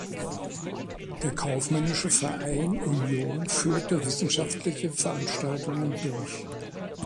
Der kaufmännische Verein Union führte wissenschaftliche Veranstaltungen durch.